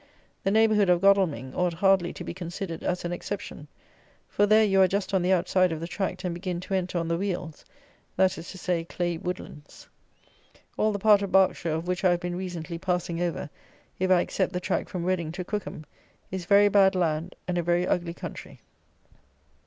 The neighbourhood of Godalming ought hardly to be considered as an exception; for there you are just on the outside of the tract, and begin to enter on the Wealds; that is to say, clayey woodlands. All the part of Berkshire, of which I have been recently passing over, if I except the tract from Reading to Crookham, is very bad land and a very ugly country.